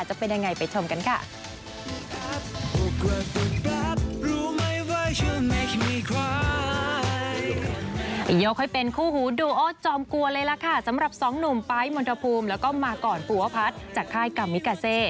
จากค่ายกัมมิกาเซ